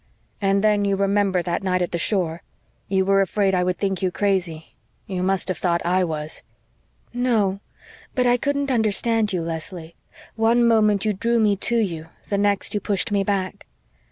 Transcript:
And then you remember that night at the shore? You were afraid I would think you crazy. You must have thought I was." "No, but I couldn't understand you, Leslie. One moment you drew me to you the next you pushed me back."